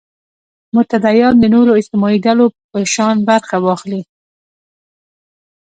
متدینان د نورو اجتماعي ډلو په شان برخه واخلي.